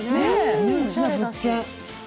お値打ちな物件。